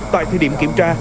tại thời điểm kiểm tra